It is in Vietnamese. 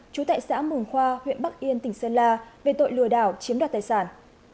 trú tại xã mường khoa huyện bắc yên tỉnh sơn la về tội lừa đảo chiếm đoạt tài sản